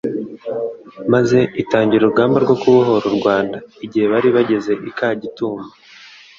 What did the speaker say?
maze itangira urugamba rwo kubohora u Rwanda. Igihe bari bageze i Kagitumba,